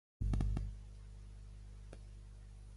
La meva mare es diu Juna Cotan: ce, o, te, a, ena.